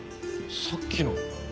さっきの。